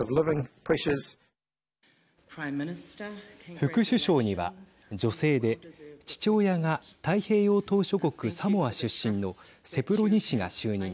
副首相には、女性で父親が太平洋島しょ国サモア出身のセプロニ氏が就任。